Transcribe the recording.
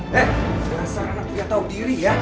hei berasal anaknya tau diri ya